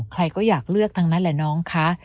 ใครก็อยากเลือกทั้งนั้นแหละน้องคะ